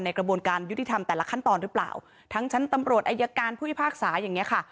กระบวนการยุติธรรมแต่ละขั้นตอนหรือเปล่าทั้งชั้นตำรวจอายการผู้พิพากษาอย่างเงี้ค่ะ